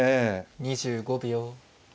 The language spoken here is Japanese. ２５秒。